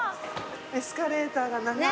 エスカレーターが長い。